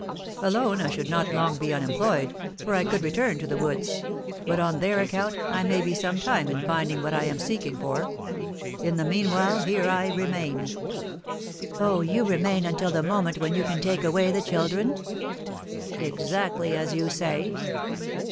Alone, I should not long be unemployed, for I could return to the woods; but, on their account, I may be some time in finding what I am seeking for. In the meanwhile, here I remain." "Oh, you remain until the moment when you can take away the children?" "Exactly as you say."